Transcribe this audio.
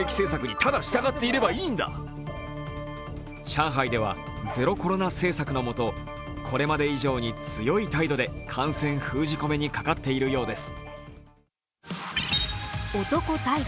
上海ではゼロコロナ政策のもとこれまで以上に強い態度で感染封じ込めにかかっているようです。